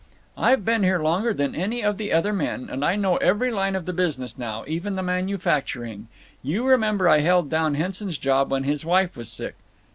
"I've been here longer than any of the other men, and I know every line of the business now, even the manufacturing. You remember I held down Henson's job when his wife was sick."